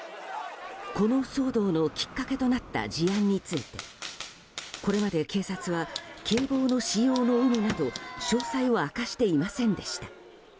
この騒動のきっかけとなった事案についてこれまで警察は警棒の使用の有無など詳細を明かしていませんでした。